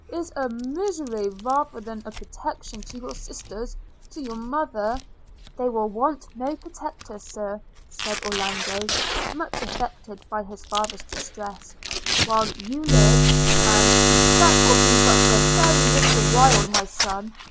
is a misery rather than a protection to your sisters, to your mother ...!' 'They will want no protector, Sir,' said Orlando, much affected by his father's distress, 'while you live – and ...!' 'That will be but a very little while, my son!